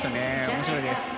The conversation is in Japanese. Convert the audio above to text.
面白いです。